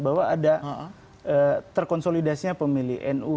bahwa ada terkonsolidasinya pemilih nu